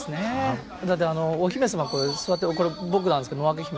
だってお姫様座ってるのこれ僕なんですけど野分姫。